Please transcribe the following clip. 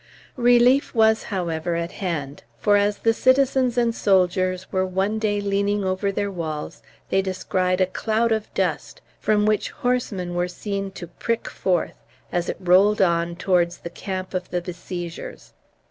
Relief was, however, at hand; for as the citizens and soldiers were one day leaning over their walls they descried a cloud of dust, from which horsemen were seen to prick forth, as it rolled on towards the camp of the besiegers.